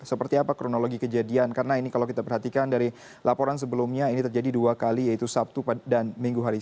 seperti apa kronologi kejadian karena ini kalau kita perhatikan dari laporan sebelumnya ini terjadi dua kali yaitu sabtu dan minggu hari